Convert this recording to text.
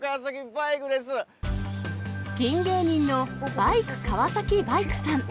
ピン芸人のバイク川崎バイクさん。